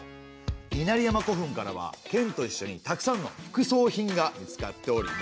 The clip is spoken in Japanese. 稲荷山古墳からは剣といっしょにたくさんのふくそうひんが見つかっております。